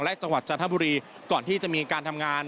และจังหวัดจันทบุรีก่อนที่จะมีการทำงาน